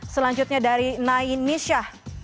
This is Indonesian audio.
selanjutnya dari nainisha